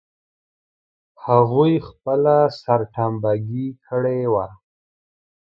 هغوی خپله سرټمبه ګي کړې وه.